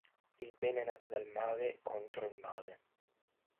Il bene nato dal male contro il male.